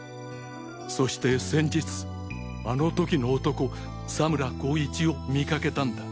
そして先日あの時の男佐村功一を見かけたんだ。